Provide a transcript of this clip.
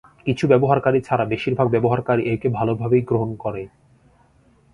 কিছু ব্যবহারকারী ছাড়া বেশিরভাগ ব্যবহারকারী একে ভালোভাবেই গ্রহণ করে।